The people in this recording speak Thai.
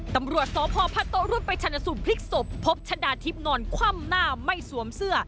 ตำรวจสพพะโต๊ะรุ่นไปชนสูตรพลิกศพพบชะดาทิพย์นอนคว่ำหน้าไม่สวมเสื้อ